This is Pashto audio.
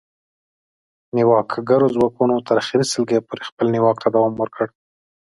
نیواکګرو ځواکونو تر اخري سلګۍ پورې خپل نیواک ته دوام ورکړ